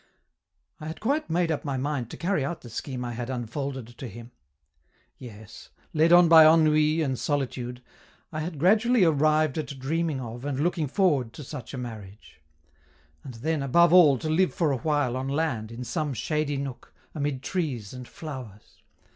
I had quite made up my mind to carry out the scheme I had unfolded to him. Yes, led on by ennui and solitude, I had gradually arrived at dreaming of and looking forward to such a marriage. And then, above all, to live for awhile on land, in some shady nook, amid trees and flowers!